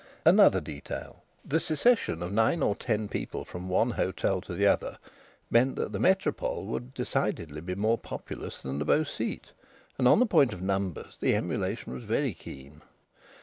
Another detail: the secession of nine or ten people from one hotel to the other meant that the Métropole would decidedly be more populous than the Beau Site, and on the point of numbers the emulation was very keen.